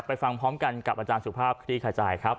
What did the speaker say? ฟังพร้อมกันกับอาจารย์สุภาพคลี่ขจายครับ